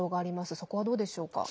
そこはどうでしょうか。